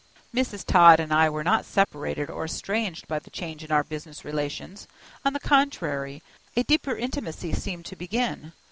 Mrs. Todd and I were not separated or estranged by the change in our business relations; on the contrary, a deeper intimacy seemed to begin.